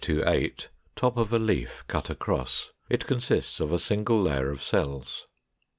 Top of a leaf, cut across; it consists of a single layer of cells.